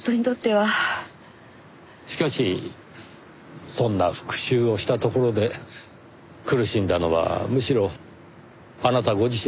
しかしそんな復讐をしたところで苦しんだのはむしろあなたご自身だった。